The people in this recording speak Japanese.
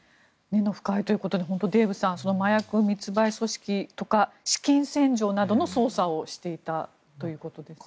根の深いということで本当にデーブさん麻薬密売組織が資金洗浄などの捜査をしていたということですね。